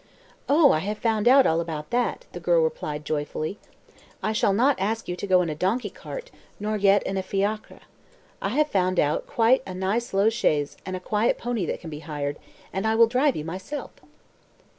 "Oh, I have found out all about that," the girl replied joyfully. "I shall not ask you to go in a donkey cart, nor yet in a fiacre. I have found out quite a nice low chaise and a quiet pony that can be hired, and I will drive you myself."